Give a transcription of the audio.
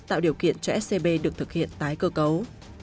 tạo điều kiện cho scb được thực hiện tái cơ cấu